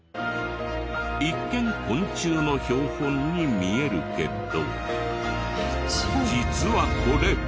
一見昆虫の標本に見えるけど実はこれ。